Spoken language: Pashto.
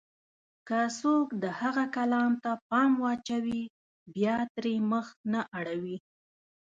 که څوک د هغه کلام ته پام واچوي، بيا ترې مخ نه اړوي.